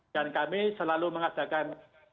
dan kami selalu mengatakan